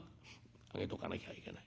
上げとかなきゃいけない。